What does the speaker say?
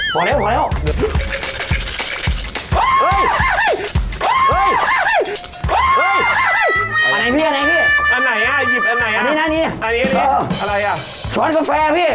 พอแล้วพอแล้ว